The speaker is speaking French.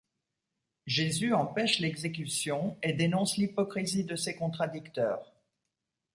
Jésus empêche l'exécution et dénonce l'hypocrisie de ses contradicteurs.